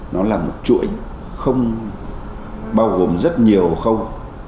nó là một chuỗi không bao gồm rất nhiều khâu